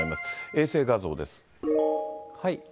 衛星画像です。